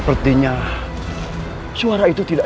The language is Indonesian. terima kasih gita